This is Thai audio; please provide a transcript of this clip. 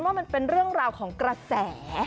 สำหรับว่ามันเป็นเรื่องราวของกระแส